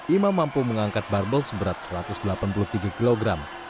imam mampu mengangkat barbel seberat satu ratus delapan puluh tiga kg